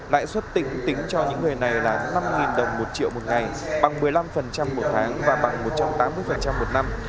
lãnh xuất tỉnh tính cho những người này là năm đồng một triệu một ngày bằng một mươi năm một tháng và bằng một trăm tám mươi một năm